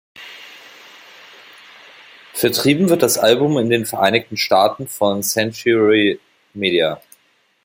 Vertrieben wird das Album in den Vereinigten Staaten von Century Media.